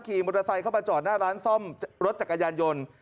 มอเตอร์ไซค์เข้ามาจอดหน้าร้านซ่อมรถจักรยานยนต์